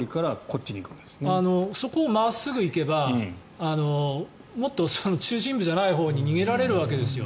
そこを真っすぐ行けばもっと中心部じゃないほうに逃げられるわけですよ。